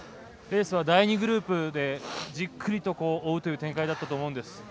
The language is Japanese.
レースは第２グループでじっくりと追うという展開だったと思うんです。